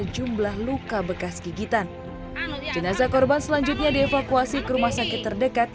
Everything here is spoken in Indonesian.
jumlah luka bekas gigitan jenazah korban selanjutnya dievakuasi ke rumah sakit terdekat